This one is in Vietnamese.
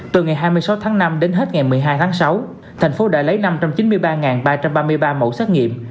từ ngày hai mươi sáu tháng năm đến hết ngày một mươi hai tháng sáu thành phố đã lấy năm trăm chín mươi ba ba trăm ba mươi ba mẫu xét nghiệm